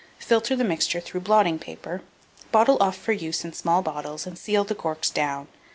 Filter the mixture through blotting paper, bottle off for use in small bottles, and seal the corks down.